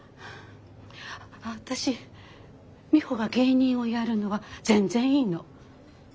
私ミホが芸人をやるのは全然いいの。